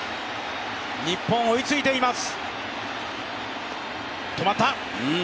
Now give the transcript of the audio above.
日本、追いついています。